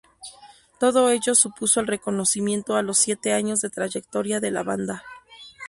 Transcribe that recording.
Todo ello supuso el reconocimiento a los siete años de trayectoria de la banda.